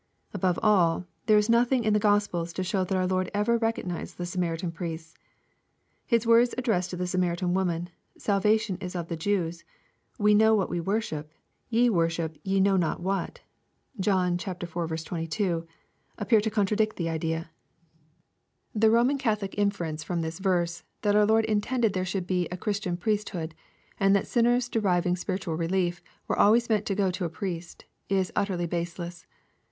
Above all, there is nothing? in the Gospels to show that our Lord ever recognized the Samaritan priests. — His words addressed to the Samaritan woman, *' Sal vation is of the Jews, — we know what we worship, — ye worship ye know not what," (John iv. 22,) appear tc; contradict the idea. 236 EXPOSITORY THOUGHTS. The Boman Catholic inference from this verse, that our Ix)rd in tended there should be a Christian priesthood, and that sinners deriving spiritual relief were always meant to go to a priest, is ut terly baseless.